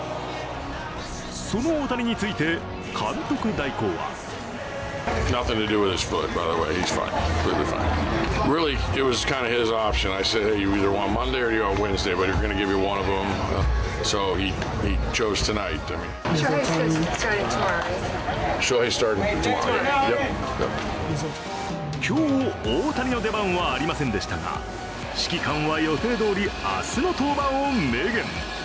その大谷について、監督代行は今日、大谷の出番はありませんでしたが指揮官は予定どおり、明日の登板を明言。